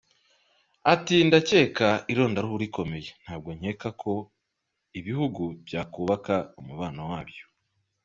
Ati “Ndakeka ari irondaruhu rikomeye ntabwo nkeka ko ibihugu byakubaka umubano wabyo.